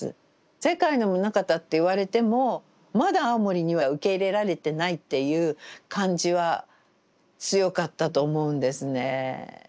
世界のムナカタって言われてもまだ青森には受け入れられてないっていう感じは強かったと思うんですね。